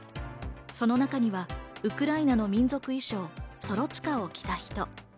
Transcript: その中にはウクライナの民族衣装・ソロチカを着た人。